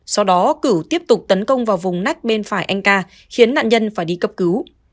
sau đó cửu tiếp tục tấn công vào vùng nách bên phải anh ca khiến nạn nhân phải đi cấp cứu